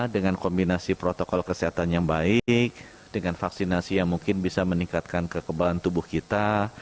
dengan kombinasi protokol kesehatan yang baik dengan vaksinasi yang mungkin bisa meningkatkan kekebalan tubuh kita